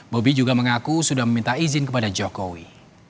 bobi juga mengaku sudah meminta izin kepada jokowi